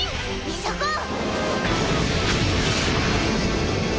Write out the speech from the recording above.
急ごう！